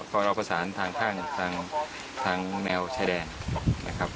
เขารอภาษานทางทางทางแนวชายแดนนะครับ